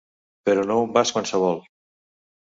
Però no un vas qualsevol.